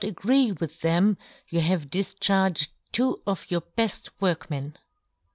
agree with them, you have dif ' charged two of your beft work ' men."